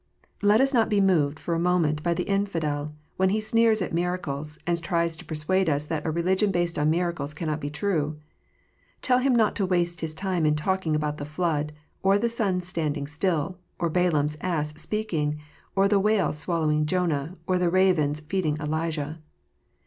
Let us not be moved, for a moment, by the infidel, when he sneers at miracles, and tries to persuade us that a religion based 011 miracles cannot be true. Tell him not to waste his time in talking about the flood, or the sun standing still, or Balaam s ass speaking, or the whale swallowing Jonah, or the ravens feeding Elijah.